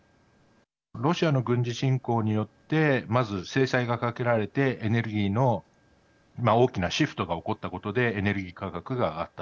ロシアの軍事侵攻によってまず制裁がかけられてエネルギーの大きなシフトが起こったことでエネルギー価格が上がった。